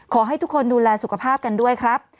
ขอให้ทุกคนดูแลสุขภาพกันด้วยครับ